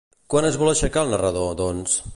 Quan es vol aixecar el narrador, doncs?